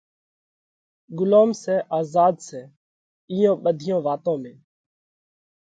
ڳلوم سئہ آزاڌ سئہ، اِيئون ٻڌِيون واتون ۾